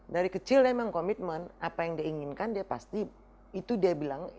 dari kecil dia memang komitmen apa yang dia inginkan dia pasti itu dia bilang